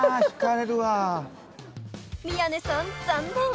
［宮根さん残念！］